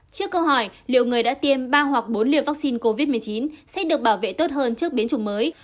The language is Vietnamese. trước câu hỏi liệu người đã tiêm ba hoặc bốn liều vaccine covid một mươi chín sẽ được bảo vệ tốt hơn trước biến chủng mới